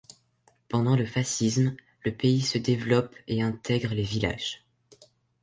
Pendant le fascisme le pays se développe et intègre les villages.